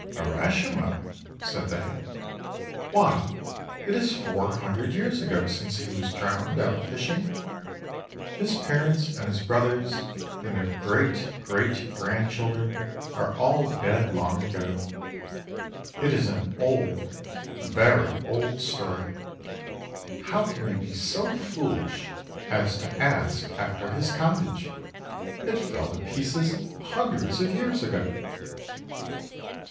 "Urashima?" said they; "why, it is four hundred years ago since he was drowned, out fishing. His parents, and his brothers, and their great great grandchildren are all dead long ago. It is an old, very old story. How can you be so foolish as to ask after his cottage? It fell to pieces hundreds of years ago."